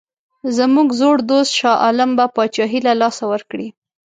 زموږ زوړ دوست شاه عالم به پاچهي له لاسه ورکړي.